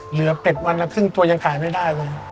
เหลือเป็ดวันละครึ่งตัวยังขายไม่ได้เลย